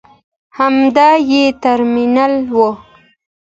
همدا یې ترمینل و.